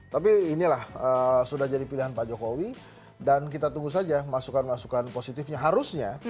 tapi inilah sudah jadi pilihan pak jokowi dan kita tunggu saja masukan masukan positifnya harusnya